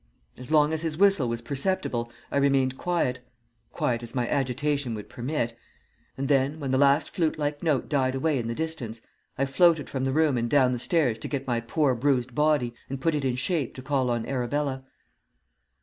As long as his whistle was perceptible I remained quiet quiet as my agitation would permit; and then, when the last flute like note died away in the distance, I floated from the room and down the stairs to get my poor bruised body and put it in shape to call on Arabella.